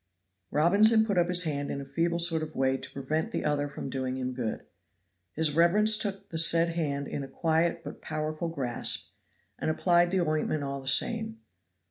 Robinson put up his hand in a feeble sort of way to prevent the other from doing him good. His reverence took the said hand in a quiet but powerful grasp, and applied the ointment all the same.